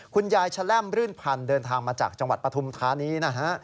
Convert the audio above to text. คุณยายแชล่มรื่นพันธ์เดินทางมาจากจังหวัดปฐุมธานีนะฮะ